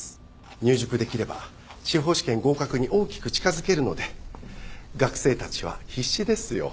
入塾できれば司法試験合格に大きく近づけるので学生たちは必死ですよ。